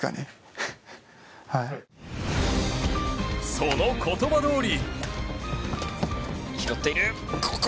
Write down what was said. その言葉どおり。